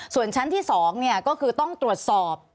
ส่วนชั้นที่๒ก็คือต้องตรวจสอบ